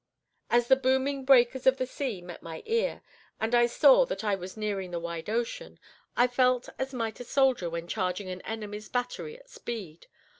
As the booming breakers of the sea met my ear, and I saw that I was nearing the wide ocean, I felt as might a soldier when charging an enemy's battery at speed.